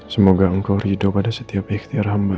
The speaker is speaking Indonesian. semoga engkau ridho pada setiap ikhtiar hamba